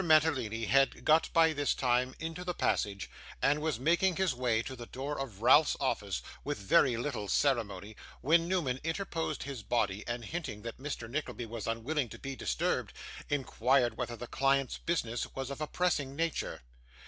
Mantalini had got by this time into the passage, and was making his way to the door of Ralph's office with very little ceremony, when Newman interposed his body; and hinting that Mr. Nickleby was unwilling to be disturbed, inquired whether the client's business was of a pressing nature.